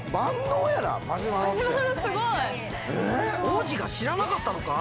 王子が知らなかったのか？